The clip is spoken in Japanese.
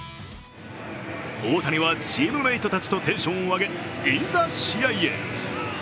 大谷はチームメートたちとテンションを上げ、いざ試合へ。